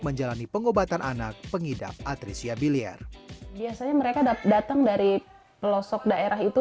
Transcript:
menjalani pengobatan anak pengidap atresia biliar biasanya mereka datang dari pelosok daerah itu